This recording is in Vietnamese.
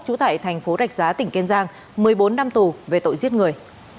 trú tại thành phố rạch giá tỉnh kiên giang một mươi bốn năm tù về tội giết người